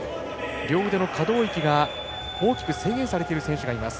両腕の可動域が大きく制限されている選手がいます。